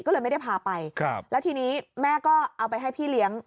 ก็เลยไม่ได้พาไปแล้วทีนี้แม่ก็เอาไปให้พี่เลี้ยง